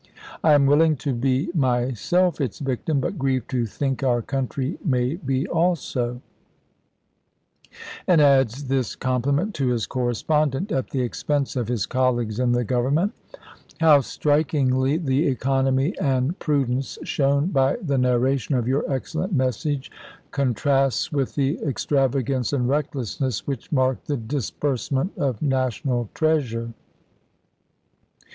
I am willing to be myself its victim, but grieve to think our country may be also "; and adds this com pliment to his correspondent at the expense of his colleagues in the Glover nment :" How strikingly the economy and prudence shown by the narration of your excellent message contrasts with the extrav agance and recklessness which mark the disburse ment of national treasure."